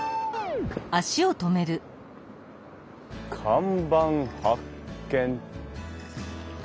看板発見。